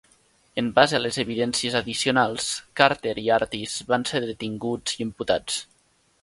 En base a les evidències addicionals, Carter i Artis van ser detinguts i imputats.